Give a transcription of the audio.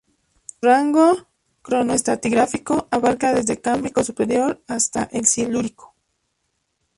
Su rango cronoestratigráfico abarca desde el Cámbrico superior hasta el Silúrico.